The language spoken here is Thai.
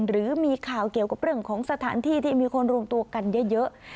หรือมีข่าวเกี่ยวกับเรื่องของสถานที่ที่มีคนรวมตัวกันเยอะ